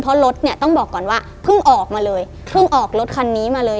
เพราะรถเนี่ยต้องบอกก่อนว่าเพิ่งออกมาเลยเพิ่งออกรถคันนี้มาเลย